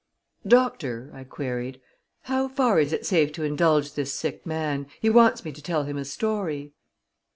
"Doctor," I queried, "how far is it safe to indulge this sick man? He wants me to tell him a story."